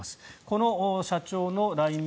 この社長のＬＩＮＥ